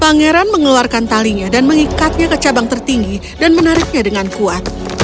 pangeran mengeluarkan talinya dan mengikatnya ke cabang tertinggi dan menariknya dengan kuat